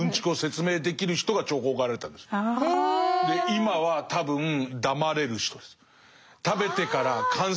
今は多分黙れる人です。ああ！